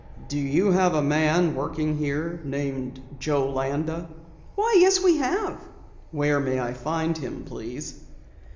"Do you have a man working here named Joe Landa?" "Why, yes, we have." "Where may I find him, please?"